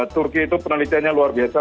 turki itu penelitiannya luar biasa